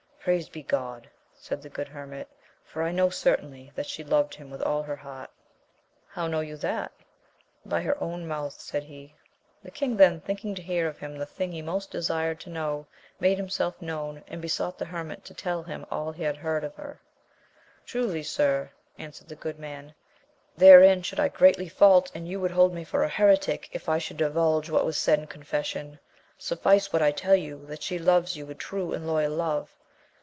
Praised be Gk)d ! said the good hermit, for I know certainly that she loved him with all her heart. — How know you that 1 By her own mouth, said he. The king then thinking to hear of him the thing he most desired to know, made himself known, and besought the hermit to tell him all he had heard from \iet, TxxJc^^ ^^ 24 AMADIS OF GAUL. answered the good man, therdn should I greatly fault, and you would hold me for a heretic if I should di vulge what was said in confession : suffice what I tell ' you, that she loves you with true and loyal love.